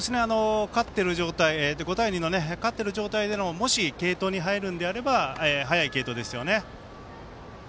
５対２の勝ってる状態での継投に入るんであれば早い継投ですよね。